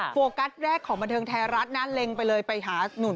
โฟกัสแรกของบันเทิงไทยรัฐนะเล็งไปเลยไปหานุ่น